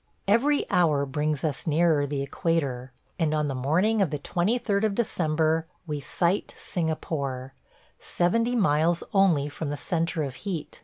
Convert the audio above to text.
... Every hour brings us nearer the equator, and on the morning of the 23d of December we sight Singapore, seventy miles only from the centre of heat.